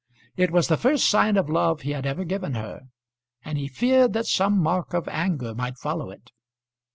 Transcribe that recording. It was the first sign of love he had ever given her, and he feared that some mark of anger might follow it.